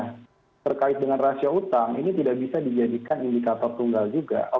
nah terkait dengan rasio utang ini tidak bisa dijadikan indikator tunggal juga